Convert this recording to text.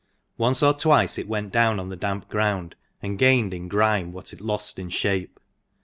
Once or twice it went down on the damp ground, and gained in grime what it lost in shape.